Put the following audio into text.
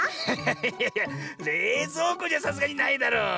いやいやれいぞうこにはさすがにないだろう。